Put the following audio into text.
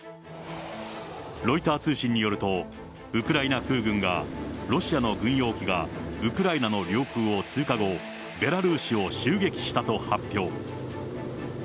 ロイター通信によると、ウクライナ空軍がロシアの軍用機が、ウクライナの領空を通過後、ベラルーシを襲撃したと発表。